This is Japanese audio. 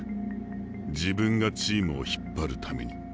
「自分がチームを引っ張るために」。